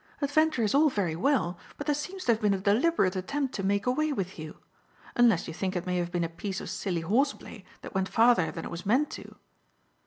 Adventure is all very well, but there seems to have been a deliberate attempt to make away with you; unless you think it may have been a piece of silly horse play that went farther than it was meant to."